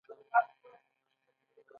مچمچۍ د حشراتو له ډلې هوښیاره ده